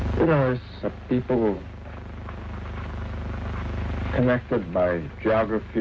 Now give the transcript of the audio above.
คุณรู้จักที่คนที่ต่างถึงโลกประเภท